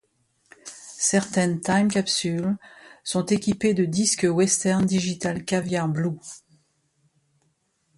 Certaines Time Capsule sont équipées de Disque Western Digital Caviar Blue.